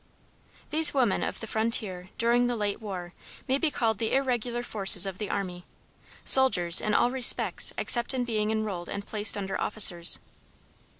These women of the frontier during the late war may be called the irregular forces of the army, soldiers in all respects except in being enrolled and placed under officers.